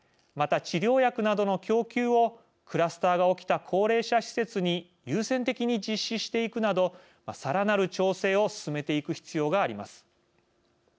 また、治療薬などの供給をクラスターが起きた高齢者施設に優先的に実施していくなどさらなる調整を進めていく必要があります。